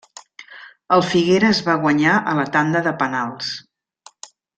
El Figueres va guanyar a la tanda de penals.